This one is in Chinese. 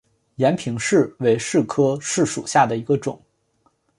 延平柿为柿科柿属下的一个种。